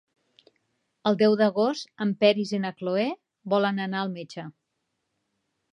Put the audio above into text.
El deu d'agost en Peris i na Cloè volen anar al metge.